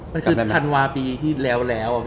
มันคือธันวาส์ปีที่แล้ว